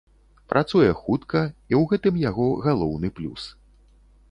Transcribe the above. Працуе хутка, і ў гэтым яго галоўны плюс.